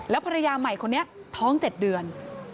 แล้วภรรยาใหม่คนนี้ท้องเจ็ดเดือน